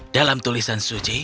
dalam tulisan suci